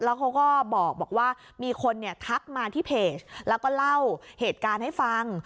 แล้วเขาก็บอกว่ามีคนเนี่ยทักมาที่เพจแล้วก็เล่าเหตุการณ์ให้ฟัง